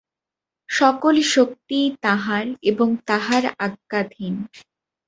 সকল শক্তিই তাঁহার এবং তাঁহার আজ্ঞাধীন।